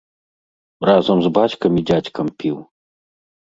Разам з бацькам і дзядзькам піў.